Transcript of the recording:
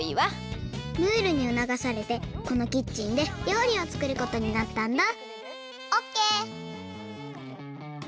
ムールにうながされてこのキッチンでりょうりをつくることになったんだオッケー！